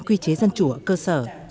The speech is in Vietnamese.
quy chế dân chủ ở cơ sở